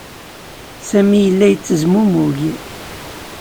Sami yella yettezmumug.